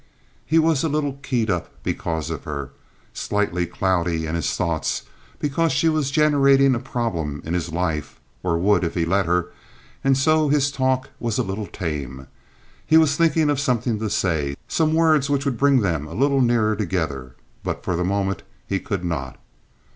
He was a little keyed up because of her—slightly cloudy in his thoughts—because she was generating a problem in his life, or would if he let her, and so his talk was a little tame. He was thinking of something to say—some words which would bring them a little nearer together. But for the moment he could not.